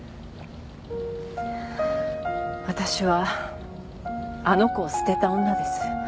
私はあの子を捨てた女です。